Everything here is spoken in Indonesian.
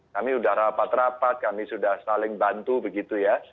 kami sudah rapat rapat kami sudah saling bantu begitu ya